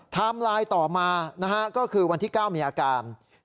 ไลน์ต่อมาก็คือวันที่๙มีอาการ